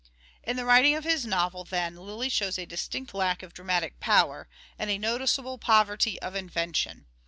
In the writing of his novel, then, Lyly shows a distinct lack of dramatic power, and a noticeable " poverty of invention."